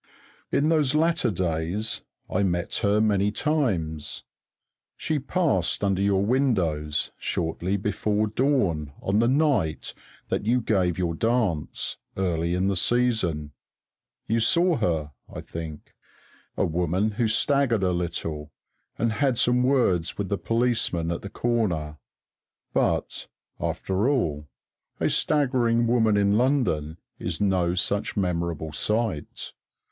In those latter days I met her many times. She passed under your windows shortly before dawn on the night that you gave your dance, early in the season. You saw her, I think? a woman who staggered a little, and had some words with the policeman at the corner: but, after all, a staggering woman in London is no such memorable sight.